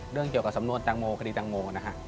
เรื่องเกี่ยวกับสำนวนตังโมคดีตังโมนะฮะ